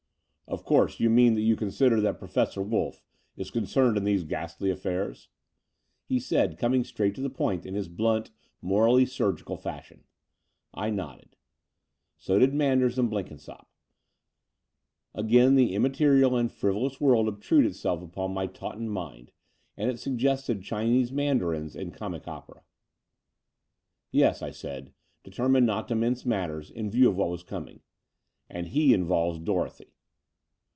''Of course, you mean that you consider that Professor Wolff is concerned in these ghastly affairs?" he said, coming straight to the point in his blunt, morally surgical fashion. I nodded. So did Manders and Blenkinsopp. Again the immaterial and frivolous would obtrude itself upon my tautened mind : and it suggested Chinese mandarins in comic opera. "Yes," I said, determined not to mince matters in view of what was coming; ''and he involves Dorothy."